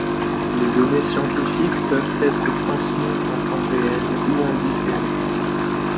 Les données scientifiques peuvent être transmises en temps réel ou en différé.